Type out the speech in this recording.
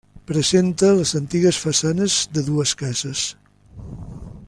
Presenta les antigues façanes de dues cases.